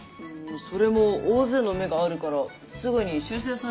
それも大勢の目があるからすぐに修正されるんじゃないかな。